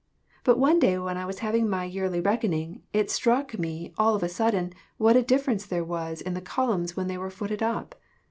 But one day when I was having my yearly reckoning, it struck me all of a sudden what a difference there was in the columns when they were footed up.